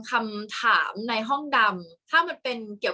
กากตัวทำอะไรบ้างอยู่ตรงนี้คนเดียว